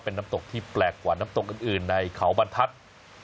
เป็นน้ำตกที่แปลกกว่าน้ำตกอื่นในเขาบรรทัศน์